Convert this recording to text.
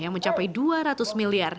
yang mencapai dua ratus miliar